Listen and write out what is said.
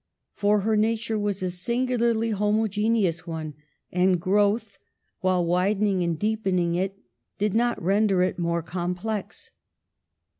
For her nature was a singularly homoge neous one, and growth, while widening and deep ening it, did not render it more complex.